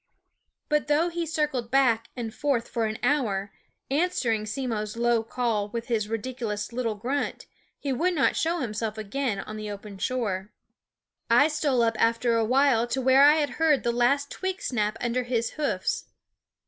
But though he circled back and forth for an hour, answer ing Simmo's low call with his ridiculous little grunt, he would not show himself again on the open shore. I stole up after a while to where I had heard the last twig snap under his hoofs.